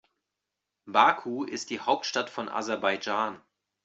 Baku ist die Hauptstadt von Aserbaidschan.